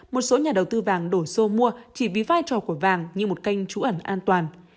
một số nhà đầu tư vàng đổ xô mua chỉ vì vai trò của vàng như một kênh trú ẩn an toàn